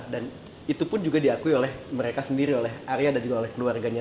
dan itu pun juga diakui oleh mereka sendiri oleh arya dan juga oleh keluarganya